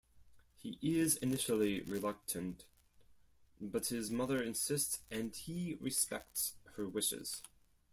He is initially reluctant, but his mother insists and he respects her wishes.